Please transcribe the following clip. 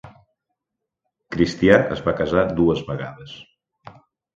Cristià es va casar dues vegades.